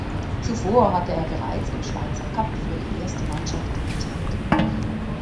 Zuvor hatte er bereits im Schweizer Cup für die erste Mannschaft debütiert.